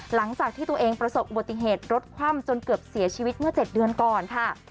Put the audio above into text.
หลังจากที่ตัวเองประสบอุบัติเหตุรถคว่ำจนเกือบเสียชีวิตเมื่อ๗เดือนก่อนค่ะ